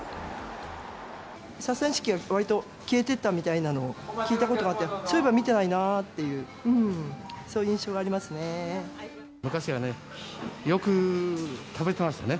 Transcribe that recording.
ササニシキが割と消えてたみたいなのを聞いたことがあって、そういえば見てないなっていう、昔はね、よく食べてましたね。